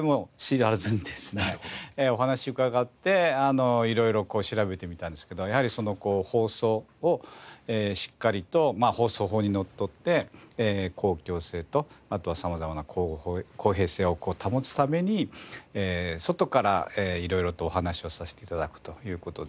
お話を伺って色々こう調べてみたんですけどやはり放送をしっかりと放送法にのっとって公共性とあとは様々な公平性を保つために外から色々とお話をさせて頂くという事で。